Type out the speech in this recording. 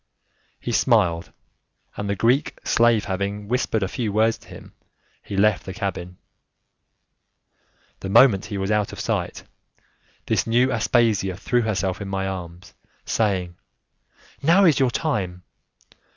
He smiled, and the Greek slave having whispered a few words to him, he left the cabin. The moment he was out of sight, this new Aspasia threw herself in my arms, saying, "Now is your time!"